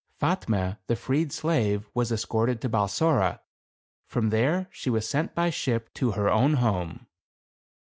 Fatme, the freed slave, was escorted to Balsora. From there she was sent by ship to her own home.